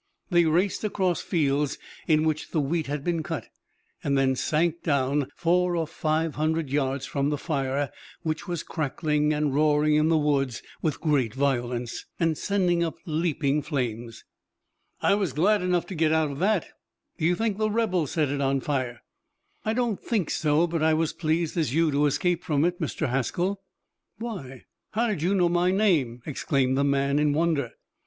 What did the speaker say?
They raced across fields in which the wheat had been cut, and then sank down four or five hundred yards from the fire, which was crackling and roaring in the woods with great violence, and sending up leaping flames. "I was glad enough to get out of that. Do you think the rebels set it on fire?" "I don't think so, but I was as pleased as you to escape from it, Mr. Haskell." "Why, how did you know my name?" exclaimed the man in wonder.